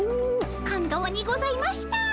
感動にございました。